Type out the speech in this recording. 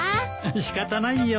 仕方ないよ。